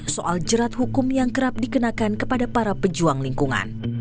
soal jerat hukum yang kerap dikenakan kepada para pejuang lingkungan